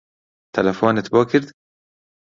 تەلەفۆنت بۆ کرد؟